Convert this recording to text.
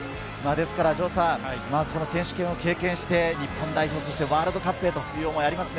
この選手権を経験して日本代表、そしてワールドカップへという思いがありますね。